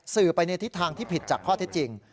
สื่อไปในทิศทางที่ผิดจากข้อเท็จจริง